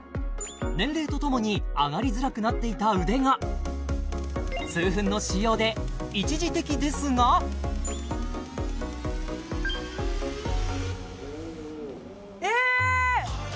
年齢とともに上がりづらくなっていた腕が数分の使用で一時的ですがえーっ！